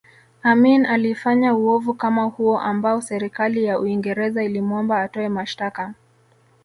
Amin alifanya uovu kama huo ambao serikali ya Uingereza ilimuomba atoe mashtaka